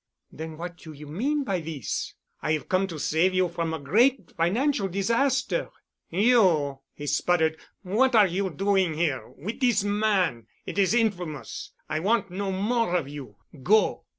"Then what do you mean by this? I've come to save you from a great financial disaster——" "You——?" he sputtered. "What are you doing here, with this man? It is infamous. I want no more of you. Go."